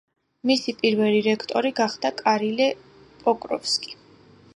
მისი პირველი რექტორი გახდა კირილე პოკროვსკი.